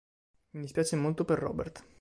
Mi dispiace molto per Robert".